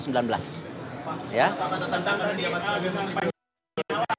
pak apa tentang dia bakal dipanggil